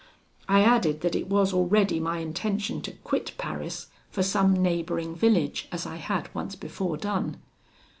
I added that it was already my intention to quit Paris for some neighbouring village, as I had once before done.